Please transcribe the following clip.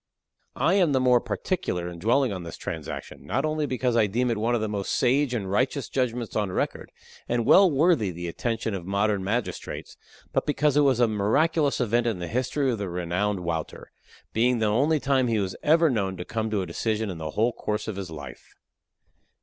I am the more particular in dwelling on this transaction, not only because I deem it one of the most sage and righteous judgments on record, and well worthy the attention of modern magistrates, but because it was a miraculous event in the history of the renowned Wouter being the only time he was ever known to come to a decision in the whole course of his life.